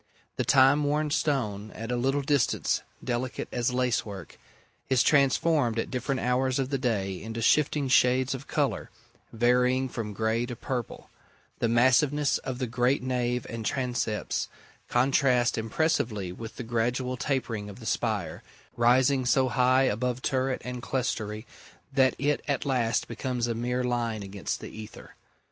The time worn stone, at a little distance delicate as lacework, is transformed at different hours of the day into shifting shades of colour, varying from grey to purple: the massiveness of the great nave and transepts contrasts impressively with the gradual tapering of the spire, rising so high above turret and clerestory that it at last becomes a mere line against the ether.